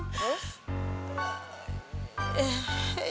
ya suti juga bingung